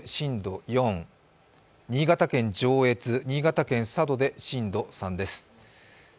新潟県上越、新潟県佐渡で震度３です。